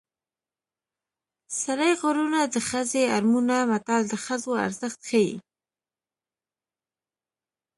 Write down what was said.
سړي غرونه دي ښځې اړمونه متل د ښځو ارزښت ښيي